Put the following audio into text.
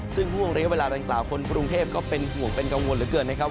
ซึ่งห่วงเรียกเวลาดังกล่าวคนกรุงเทพก็เป็นห่วงเป็นกังวลเหลือเกินนะครับ